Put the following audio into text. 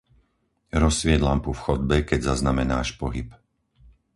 Rozsvieť lampu v chodbe, keď zaznamenáš pohyb.